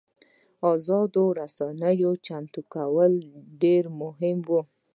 ازادو رسنیو چمتو کول ډېر مهم وو.